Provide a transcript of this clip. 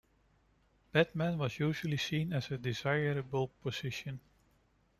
Batman was usually seen as a desirable position.